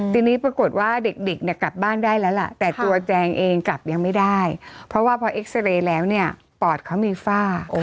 ทีนี้ปรากฏว่าเด็กเนี่ยกลับบ้านได้แล้วล่ะแต่ตัวแจงเองกลับยังไม่ได้เพราะว่าพอเอ็กซาเรย์แล้วเนี่ยปอดเขามีฝ้า